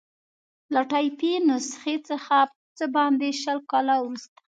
له ټایپي نسخې څخه څه باندې شل کاله وروسته.